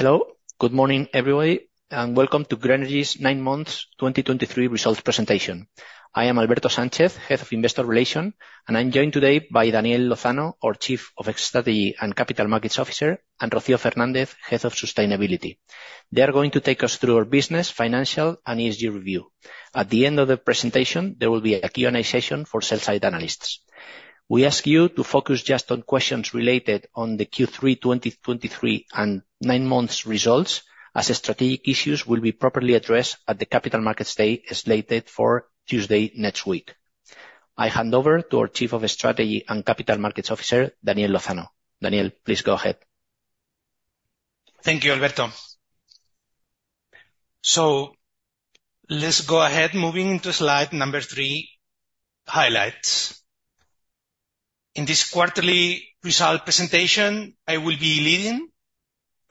Hello. Good morning, everybody, and welcome to Grenergy's nine months 2023 results presentation. I am Alberto Sánchez, head of investor relations, and I'm joined today by Daniel Lozano, our Chief of Strategy and Capital Markets Officer, and Rocío Fernández, head of sustainability. They are going to take us through our business, financial, and ESG review. At the end of the presentation, there will be a Q&A session for sell-side analysts. We ask you to focus just on questions related to the Q3 2023 and nine months results, as strategic issues will be properly addressed at the Capital Markets Day, slated for Tuesday next week. I hand over to our Chief of Strategy and Capital Markets Officer, Daniel Lozano. Daniel, please go ahead. Thank you, Alberto. So let's go ahead, moving to slide number three, highlights. In this quarterly result presentation, I will be leading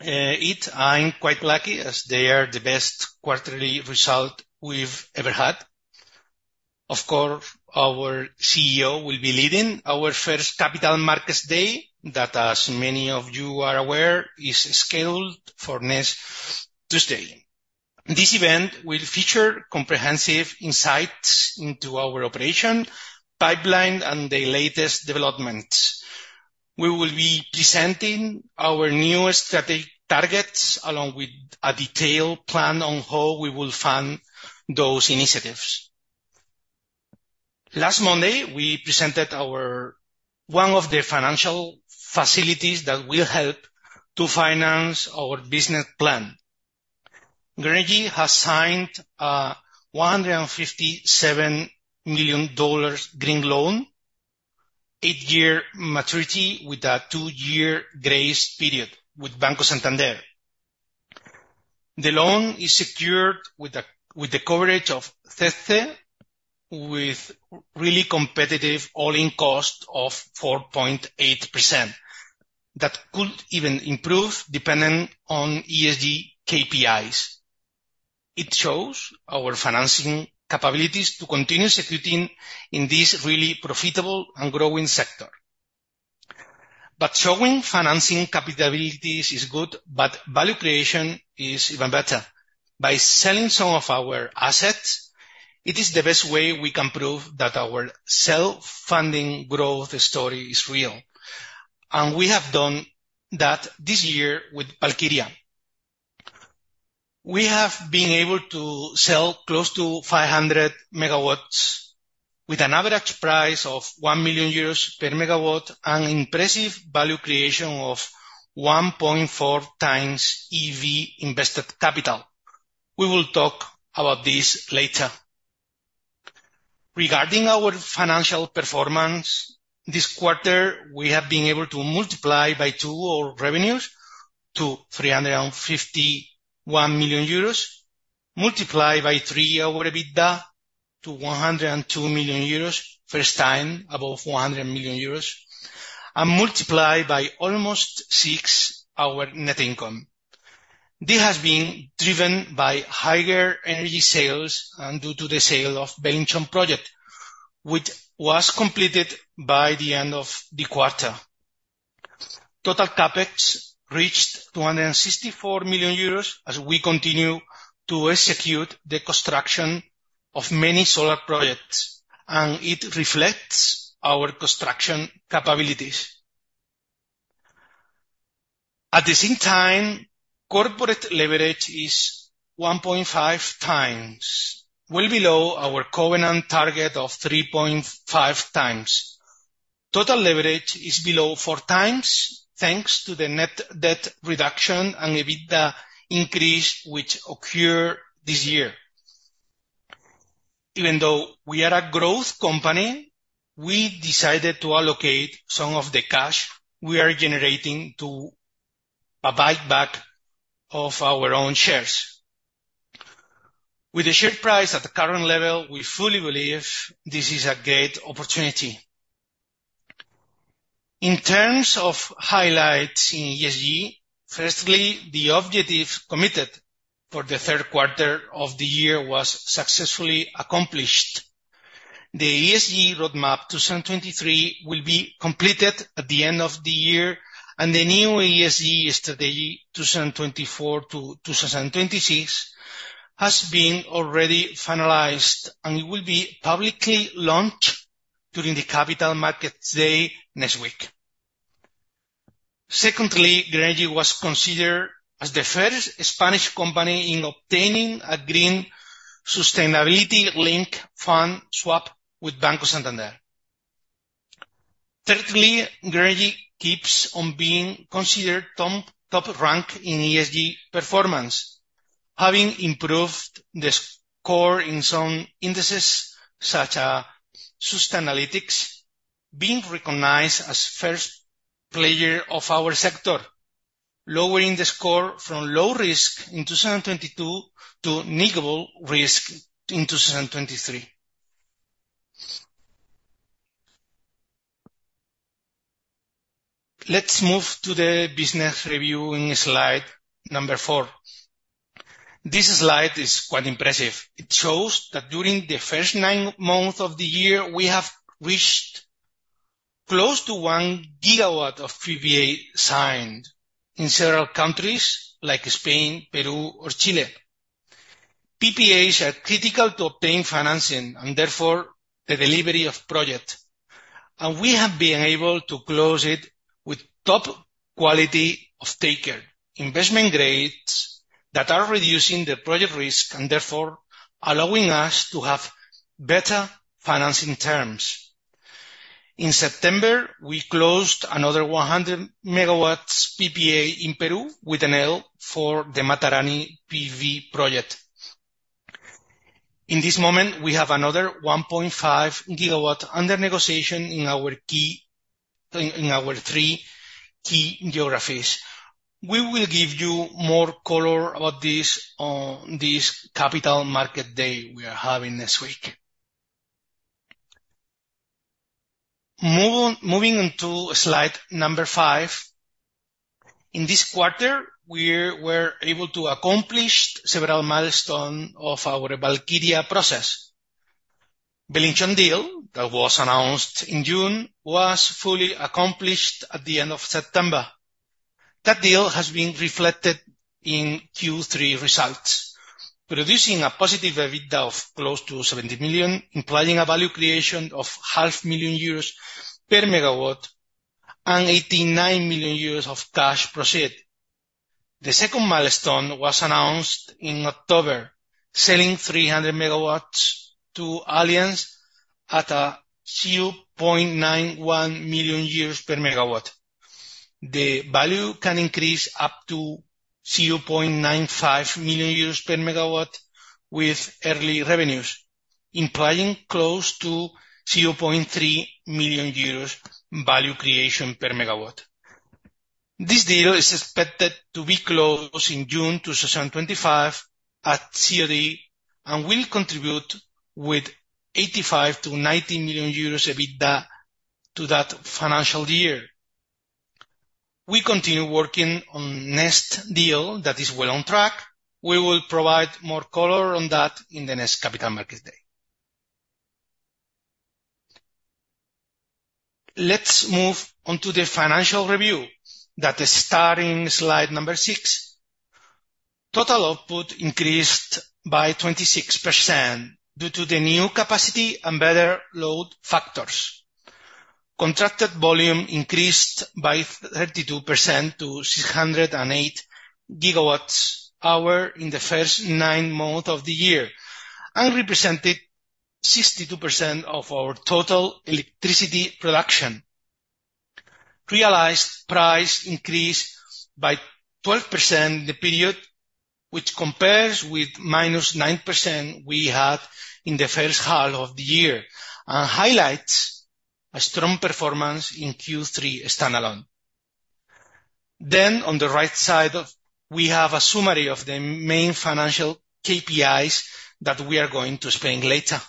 it. I'm quite lucky, as they are the best quarterly result we've ever had. Of course, our CEO will be leading our first Capital Markets Day, that, as many of you are aware, is scheduled for next Tuesday. This event will feature comprehensive insights into our operation, pipeline, and the latest developments. We will be presenting our new strategic targets, along with a detailed plan on how we will fund those initiatives. Last Monday, we presented our one of the financial facilities that will help to finance our business plan. Grenergy has signed a $157 million green loan, eight-year maturity, with a two-year grace period, with Banco Santander. The loan is secured with the coverage of CESCE, with really competitive all-in cost of 4.8%. That could even improve, depending on ESG KPIs. It shows our financing capabilities to continue executing in this really profitable and growing sector. But showing financing capabilities is good, but value creation is even better. By selling some of our assets, it is the best way we can prove that our self-funding growth story is real, and we have done that this year with Valkyria. We have been able to sell close to 500 MW, with an average price of 1 million euros per MW, an impressive value creation of 1.4 times EV invested capital. We will talk about this later. Regarding our financial performance, this quarter, we have been able to multiply by two our revenues, to 351 million euros, multiply by three our EBITDA to 102 million euros, first time above 100 million euros, and multiply by almost six our net income. This has been driven by higher energy sales and due to the sale of Belinchón project, which was completed by the end of the quarter. Total CapEx reached 264 million euros as we continue to execute the construction of many solar projects, and it reflects our construction capabilities. At the same time, corporate leverage is 1.5x, well below our covenant target of 3.5x. Total leverage is below 4x, thanks to the net debt reduction and EBITDA increase, which occur this year. Even though we are a growth company, we decided to allocate some of the cash we are generating to a buyback of our own shares. With the share price at the current level, we fully believe this is a great opportunity. In terms of highlights in ESG, firstly, the objective committed for the third quarter of the year was successfully accomplished. The ESG roadmap 2023 will be completed at the end of the year, and the new ESG strategy, 2024-2026, has been already finalized, and it will be publicly launched during the Capital Markets Day next week. Secondly, Grenergy was considered as the first Spanish company in obtaining a green sustainability link fund swap with Banco Santander. Thirdly, Grenergy keeps on being considered top, top rank in ESG performance, having improved the score in some indices, such as Sustainalytics, being recognized as first player of our sector, lowering the score from low risk in 2022 to negligible risk in 2023. Let's move to the business review in slide number four. This slide is quite impressive. It shows that during the first nine months of the year, we have reached close to 1 GW of PPA signed in several countries like Spain, Peru, or Chile. PPAs are critical to obtain financing and therefore the delivery of project, and we have been able to close it with top quality offtaker, investment grades that are reducing the project risk and therefore allowing us to have better financing terms. In September, we closed another 100 MW PPA in Peru with Enel for the Matarani PV project. In this moment, we have another 1.5 GW under negotiation in our three key geographies. We will give you more color about this on this Capital Market Day we are having this week. Moving on to slide five. In this quarter, we were able to accomplish several milestones of our Valkiria process. Bellingham deal that was announced in June was fully accomplished at the end of September. That deal has been reflected in Q3 results, producing a positive EBITDA of close to 70 million, implying a value creation of 500,000 euros per MW and 89 million euros of cash proceeds. The second milestone was announced in October, selling 300 MW to Allianz at EUR 0.91 million per MW. The value can increase up to 0.95 million euros per MW with early revenues, implying close to 0.3 million euros value creation per MW. This deal is expected to be closed in June 2025 at COD, and will contribute with 85-90 million euros EBITDA to that financial year. We continue working on next deal that is well on track. We will provide more color on that in the next capital market day. Let's move on to the financial review, that starting slide number 6. Total output increased by 26% due to the new capacity and better load factors. Contracted volume increased by 32% to 608 GWh in the first nine months of the year, and represented 62% of our total electricity production. Realized price increased by 12% in the period, which compares with -9% we had in the first half of the year, and highlights a strong performance in Q3 standalone. Then on the right side of, we have a summary of the main financial KPIs that we are going to explain later.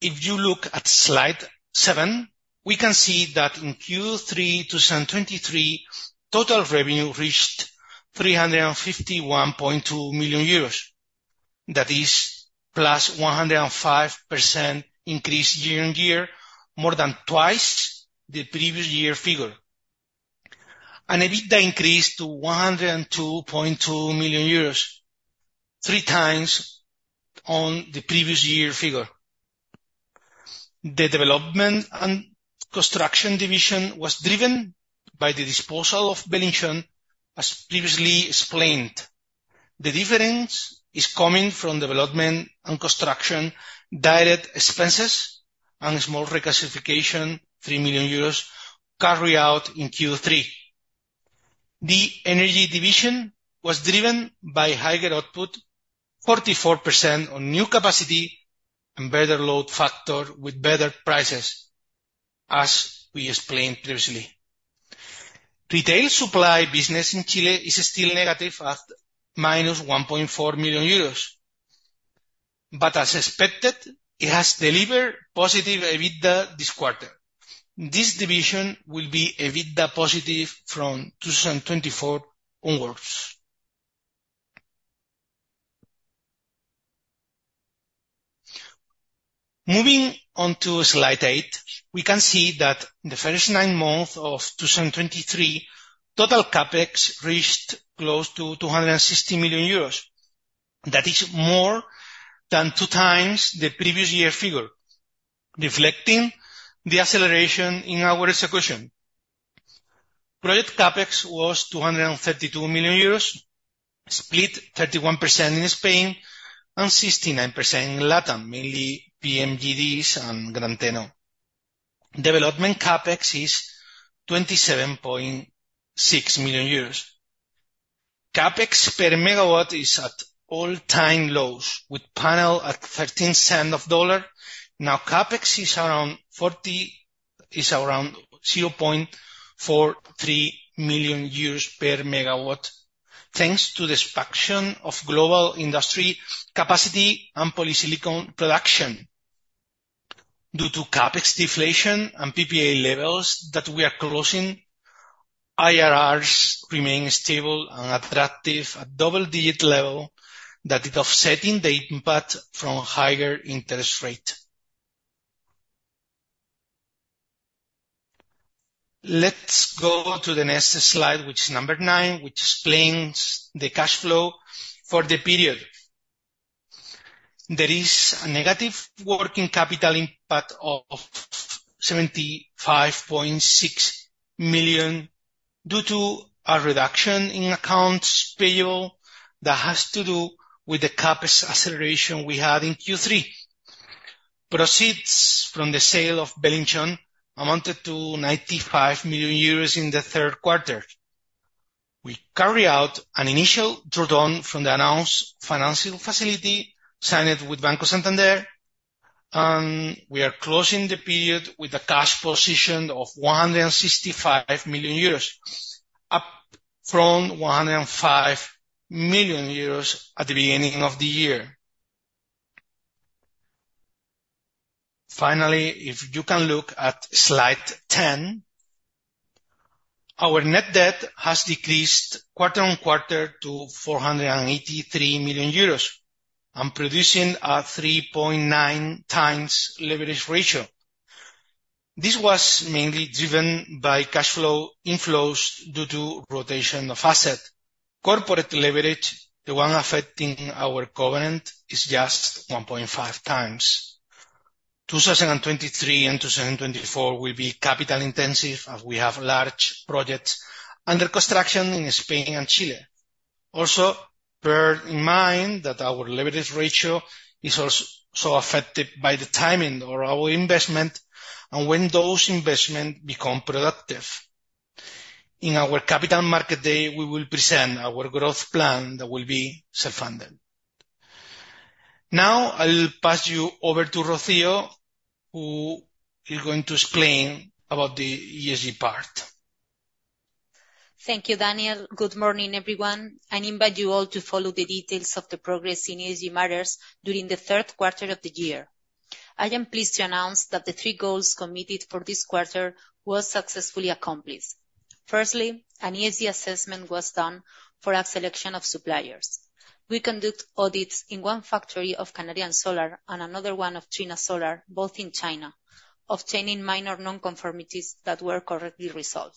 If you look at slide seven, we can see that in Q3 2023, total revenue reached 351.2 million euros. That is, +105% increase year-on-year, more than twice the previous year figure. EBITDA increased to 102.2 million euros, three times on the previous year figure. The development and construction division was driven by the disposal of Bellingham, as previously explained. The difference is coming from development and construction, direct expenses, and a small reclassification, 3 million euros, carried out in Q3. The energy division was driven by higher output, 44% on new capacity and better load factor with better prices, as we explained previously. Retail supply business in Chile is still negative at -1.4 million euros, but as expected, it has delivered positive EBITDA this quarter. This division will be EBITDA positive from 2024 onwards. Moving on to slide eight, we can see that the first nine months of 2023, total CapEx reached close to 260 million euros. That is more than two times the previous year figure, reflecting the acceleration in our execution. Project CapEx was 232 million euros, split 31% in Spain and 69% in Latin, mainly PMGDs and Gran Teno. Development CapEx is 27.6 million euros. CapEx per megawatt is at all-time lows, with panel at $0.13. Now, CapEx is around 0.43 million euros per megawatt, thanks to the expansion of global industry capacity and polysilicon production. Due to CapEx deflation and PPA levels that we are closing, IRRs remain stable and attractive at double-digit level, that is offsetting the impact from higher interest rate. Let's go to the next slide, which is number nine, which explains the cash flow for the period. There is a negative working capital impact of 75.6 million, due to a reduction in accounts payable that has to do with the CapEx acceleration we had in Q3. Proceeds from the sale of Bellingham amounted to 95 million euros in the third quarter. We carry out an initial draw down from the announced financial facility, signed with Banco Santander, and we are closing the period with a cash position of 165 million euros, up from 105 million euros at the beginning of the year. Finally, if you can look at slide 10, our net debt has decreased quarter-on-quarter to 483 million euros, and producing a 3.9x leverage ratio. This was mainly driven by cash flow inflows due to rotation of asset. Corporate leverage, the one affecting our covenant, is just 1.5x. 2023 and 2024 will be capital intensive, as we have large projects under construction in Spain and Chile. Also, bear in mind that our leverage ratio is also affected by the timing of our investments, and when those investments become productive. In our capital market day, we will present our growth plan that will be self-funded. Now, I will pass you over to Rocío, who is going to explain about the ESG part. Thank you, Daniel. Good morning, everyone. I invite you all to follow the details of the progress in ESG matters during the third quarter of the year. I am pleased to announce that the three goals committed for this quarter was successfully accomplished. Firstly, an ESG assessment was done for a selection of suppliers. We conduct audits in one factory of Canadian Solar and another one of Trina Solar, both in China, obtaining minor non-conformities that were correctly resolved.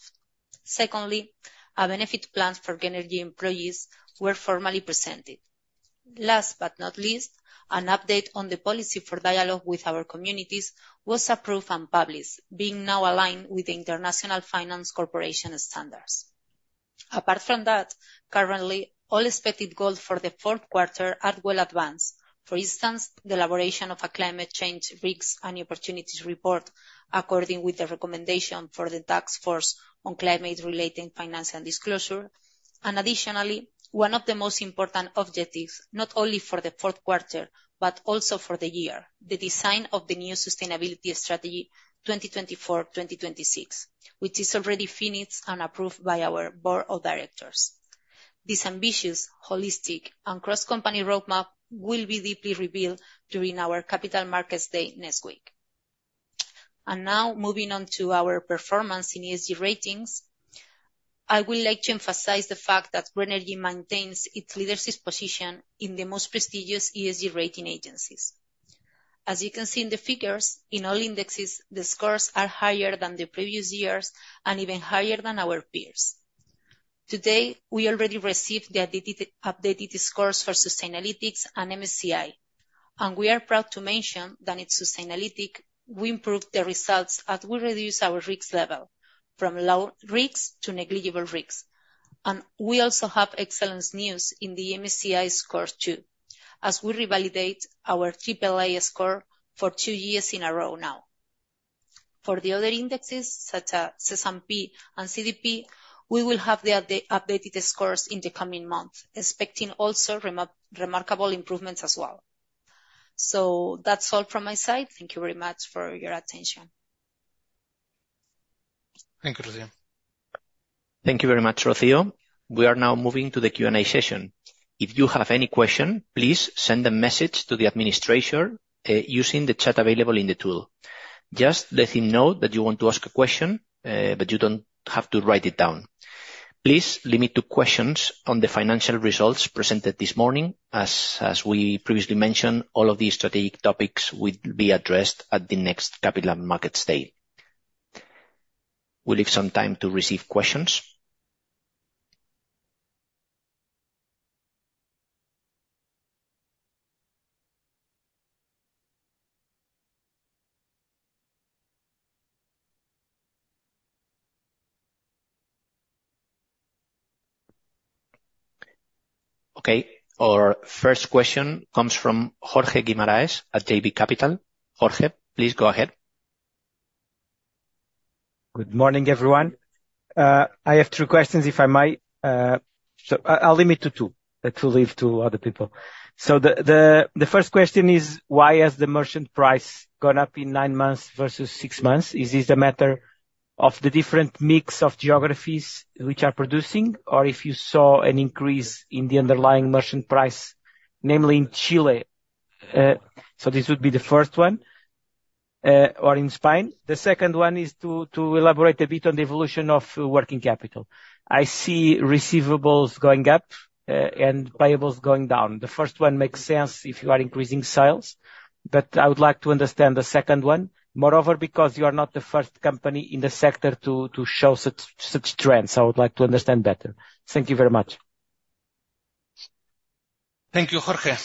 Secondly, a benefit plan for energy employees were formally presented. Last but not least, an update on the policy for dialogue with our communities was approved and published, being now aligned with the International Finance Corporation standards. Apart from that, currently, all expected goals for the fourth quarter are well advanced. For instance, the elaboration of a climate change risks and opportunities report, according to the recommendations of the Task Force on Climate-related Financial Disclosures. Additionally, one of the most important objectives, not only for the fourth quarter, but also for the year, the design of the new sustainability strategy, 2024-2026, which is already finished and approved by our board of directors. This ambitious, holistic, and cross-company roadmap will be deeply revealed during our Capital Markets Day next week. Now, moving on to our performance in ESG ratings, I would like to emphasize the fact that Grenergy maintains its leadership position in the most prestigious ESG rating agencies. As you can see in the figures, in all indexes, the scores are higher than the previous years and even higher than our peers. Today, we already received the updated scores for Sustainalytics and MSCI, and we are proud to mention that in Sustainalytics, we improved the results as we reduce our risk level, from low risks to negligible risks. We also have excellent news in the MSCI score, too, as we revalidate our AAA score for two years in a row now. For the other indexes, such as S&P and CDP, we will have the updated scores in the coming months, expecting also remarkable improvements as well. That's all from my side. Thank you very much for your attention. Thank you, Rocío. Thank you very much, Rocío. We are now moving to the Q&A session. If you have any question, please send a message to the administrator using the chat available in the tool. Just let him know that you want to ask a question, but you don't have to write it down. Please limit to questions on the financial results presented this morning. As we previously mentioned, all of these strategic topics will be addressed at the next Capital Market Day. We'll leave some time to receive questions. Okay, our first question comes from Jorge Guimaraes at JB Capital. Jorge, please go ahead. Good morning, everyone. I have three questions, if I may. So I, I'll limit to two, to leave to other people. So the first question is, why has the merchant price gone up in nine months versus six months? Is this a matter of the different mix of geographies which are producing, or if you saw an increase in the underlying merchant price, namely in Chile. So this would be the first one, or in Spain. The second one is to elaborate a bit on the evolution of working capital. I see receivables going up, and payables going down. The first one makes sense if you are increasing sales, but I would like to understand the second one. Moreover, because you are not the first company in the sector to show such trends, I would like to understand better. Thank you very much. Thank you, Jorge.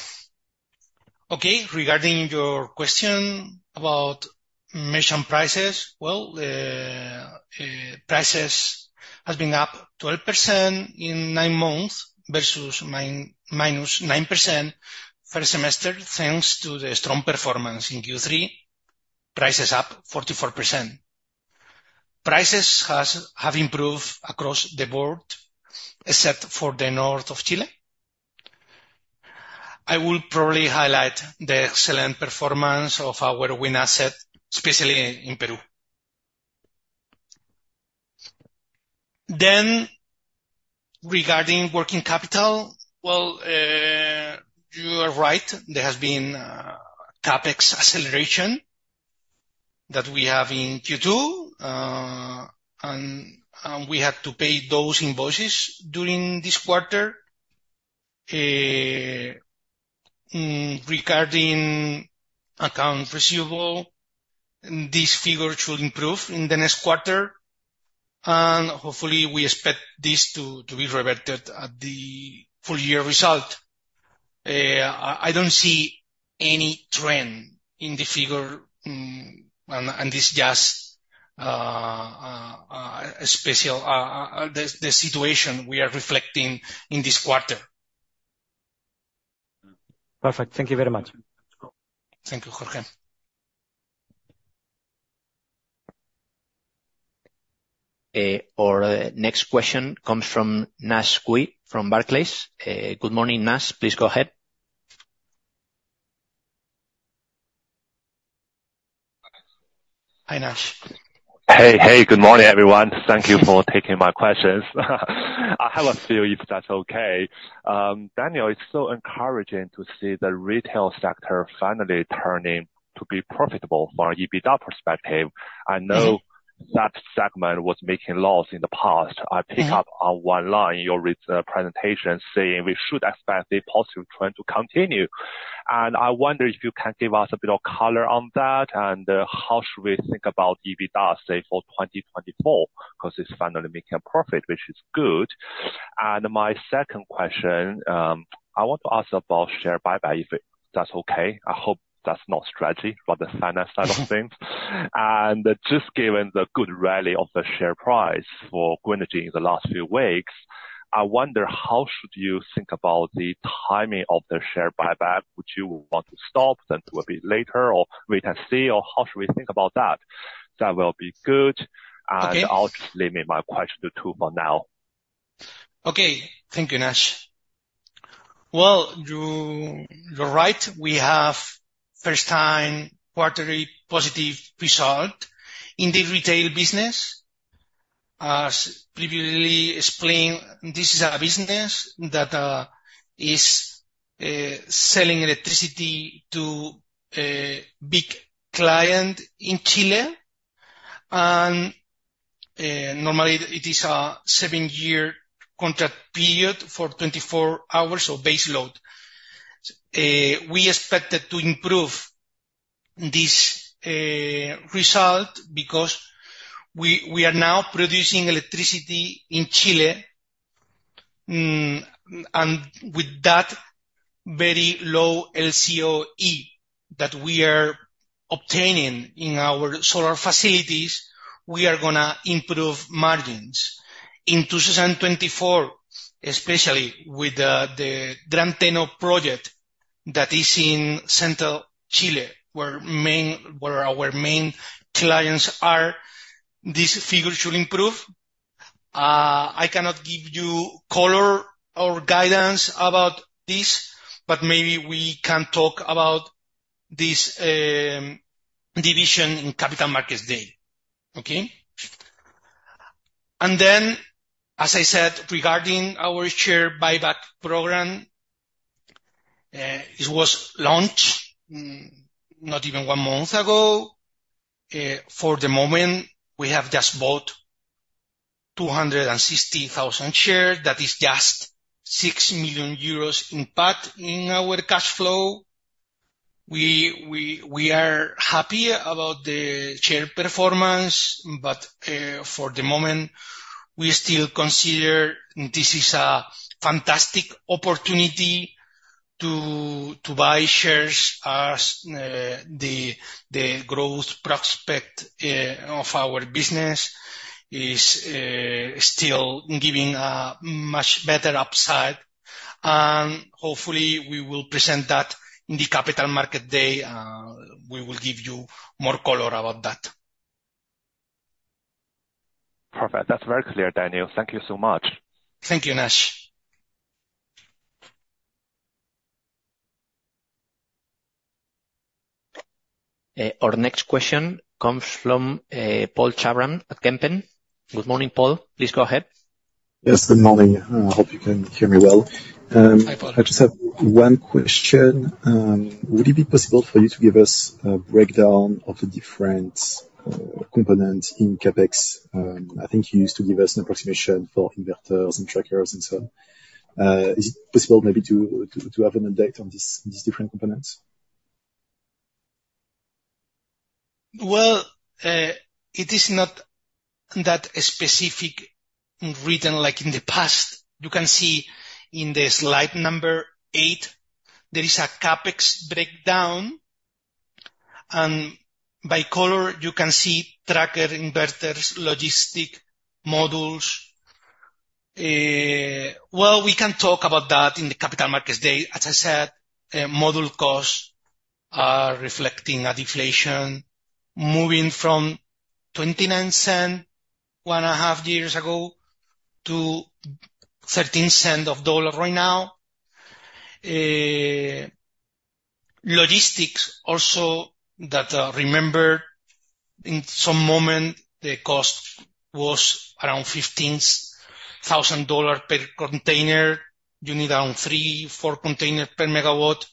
Okay, regarding your question about merchant prices, well, prices has been up 12% in nine months versus minus 9% for a semester, thanks to the strong performance in Q3, prices up 44%. Prices has, have improved across the board, except for the north of Chile. I will probably highlight the excellent performance of our wind asset, especially in Peru. Then, regarding working capital, well, you are right, there has been CapEx acceleration that we have in Q2, and, and we had to pay those invoices during this quarter. Regarding account receivable, this figure should improve in the next quarter, and hopefully we expect this to, to be reverted at the full year result. I don't see any trend in the figure, and this just special the situation we are reflecting in this quarter. Perfect. Thank you very much. Thank you, Jorge. Our next question comes from Naisheng Cui from Barclays. Good morning, Nash. Please go ahead. Hi, Nash. Hey, hey, good morning, everyone. Thank you for taking my questions. I have a few, if that's okay. Daniel, it's so encouraging to see the retail sector finally turning to be profitable from an EBITDA perspective. I know that segment was making loss in the past. I pick up on one line in your presentation saying we should expect the positive trend to continue, and I wonder if you can give us a bit of color on that, and how should we think about EBITDA, say, for 2024? 'Cause it's finally making a profit, which is good. And my second question, I want to ask about share buyback, if that's okay. I hope that's not strategy, but the finance side of things. Just given the good rally of the share price for in the last few weeks, I wonder, how should you think about the timing of the share buyback? Would you want to stop, then it will be later, or wait and see, or how should we think about that? That will be good. Okay. I'll just limit my question to two for now. Okay, thank you, Naisheng. Well, you, you're right. We have first-time quarterly positive result in the retail business. As previously explained, this is a business that is selling electricity to a big client in Chile, and normally, it is a seven-year contract period for 24 hours, so base load. We expected to improve this result because we are now producing electricity in Chile, and with that very low LCOE that we are obtaining in our solar facilities, we are gonna improve margins. In 2024, especially with the Gran Teno project that is in central Chile, where our main clients are, this figure should improve. I cannot give you color or guidance about this, but maybe we can talk about this division in Capital Markets Day. Okay? Then, as I said, regarding our share buyback program, it was launched, not even one month ago. For the moment, we have just bought 216,000 shares. That is just 6 million euros impact in our cash flow. We are happy about the share performance, but, for the moment, we still consider this is a fantastic opportunity to buy shares as the growth prospect of our business is still giving a much better upside, and hopefully, we will present that in the Capital Market Day. We will give you more color about that. Perfect. That's very clear, Daniel. Thank you so much. Thank you, Nash.... our next question comes from Paul Cherran at Kempen. Good morning, Paul. Please go ahead. Yes, good morning. I hope you can hear me well. Hi, Paul. I just have one question. Would it be possible for you to give us a breakdown of the different components in CapEx? I think you used to give us an approximation for inverters and trackers and so on. Is it possible maybe to have an update on these different components? Well, it is not that specific written like in the past. You can see in the slide number eight, there is a CapEx breakdown, and by color, you can see tracker, inverters, logistic, modules. Well, we can talk about that in the capital markets day. As I said, module costs are reflecting a deflation, moving from $0.29 one and a half years ago to $0.13 of dollar right now. Logistics also, remember, in some moment, the cost was around $15,000 per container. You need around three-four container per megawatt.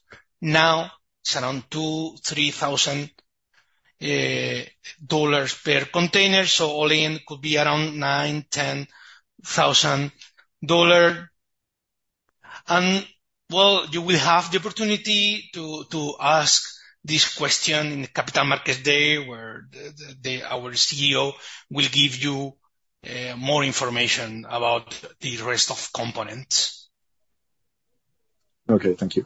Now, it's around $2,000-$3,000 per container, so all in could be around $9,000-$10,000. Well, you will have the opportunity to ask this question in the capital market day, where our CEO will give you more information about the rest of components. Okay. Thank you.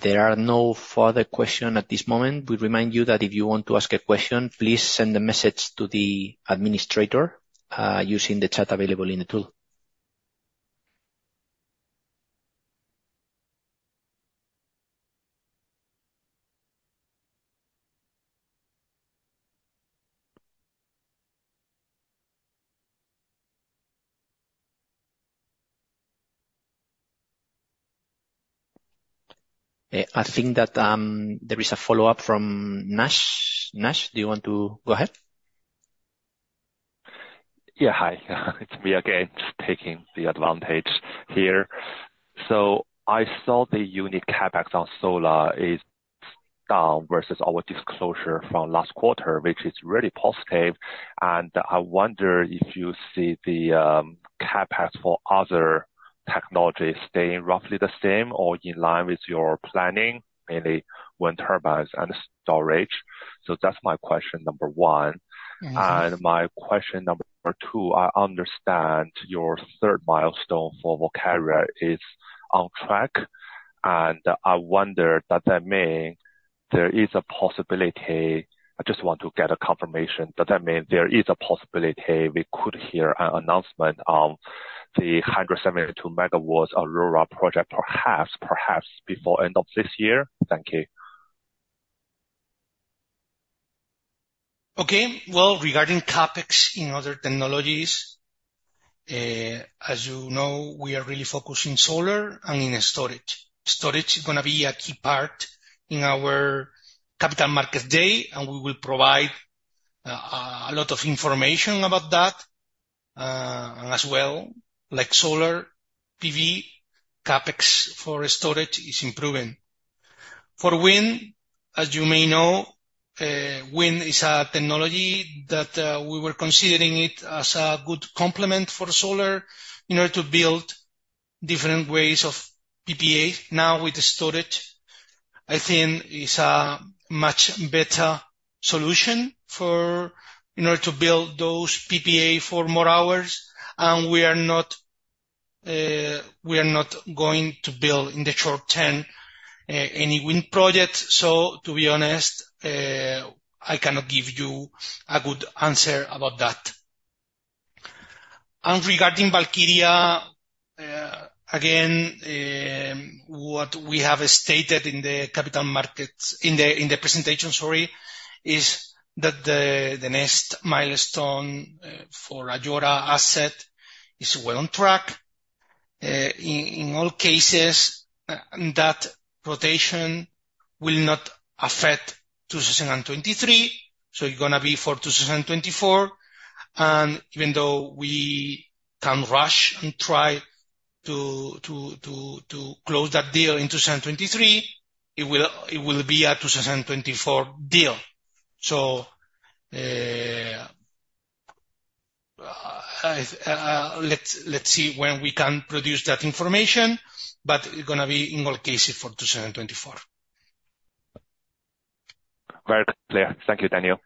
There are no further question at this moment. We remind you that if you want to ask a question, please send a message to the administrator, using the chat available in the tool. I think that, there is a follow-up from Nash. Naisheng, do you want to go ahead? Yeah. Hi, it's me again, just taking the advantage here. So I saw the unique CapEx on solar is versus our disclosure from last quarter, which is really positive, and I wonder if you see the CapEx for other technologies staying roughly the same or in line with your planning, mainly wind turbines and storage. So that's my question number one. Mm-hmm. My question number two, I understand your third milestone for Valkiria is on track, and I wonder, does that mean there is a possibility... I just want to get a confirmation, does that mean there is a possibility we could hear an announcement on the 172 MW Ayora project, perhaps, perhaps before end of this year? Thank you. Okay. Well, regarding CapEx in other technologies, as you know, we are really focused in solar and in storage. Storage is gonna be a key part in our capital market day, and we will provide a lot of information about that. As well, like solar, PV CapEx for storage is improving. For wind, as you may know, wind is a technology that we were considering it as a good complement for solar in order to build different ways of PPAs. Now, with storage, I think it's a much better solution for, in order to build those PPA for more hours. And we are not, we are not going to build, in the short term, any wind projects. So to be honest, I cannot give you a good answer about that. Regarding Valkiria, again, what we have stated in the capital markets, in the presentation, sorry, is that the next milestone for Ayora asset is well on track. In all cases, that rotation will not affect 2023, so it's gonna be for 2024. And even though we can rush and try to close that deal in 2023, it will be a 2024 deal. So, let's see when we can produce that information, but it's gonna be, in all cases, for 2024. Very clear. Thank you, Daniel.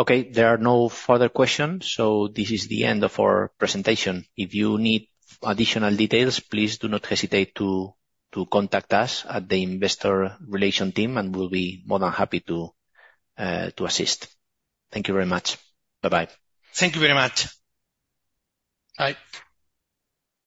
Okay, there are no further questions, so this is the end of our presentation. If you need additional details, please do not hesitate to contact us at the Investor Relations team, and we'll be more than happy to assist. Thank you very much. Bye-bye. Thank you very much. Bye.